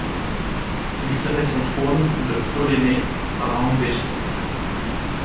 Il tenait son trône de Ptolémée, pharaon d'Égypte.